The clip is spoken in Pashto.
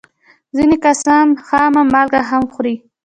ځینې کسان خامه مالګه هم خوري.